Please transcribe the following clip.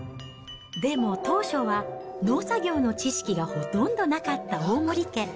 でも当初は、農作業の知識がほとんどなかった大森家。